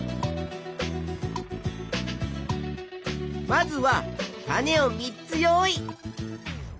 まずは種を３つ用意。